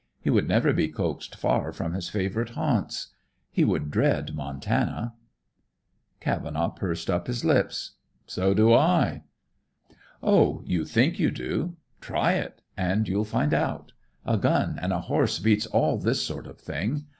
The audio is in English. He would never be coaxed far from his favorite haunts. He would dread Montana." Cavenaugh pursed up his lips. "So do I!" "Oh, you think you do. Try it, and you'll find out. A gun and a horse beats all this sort of thing.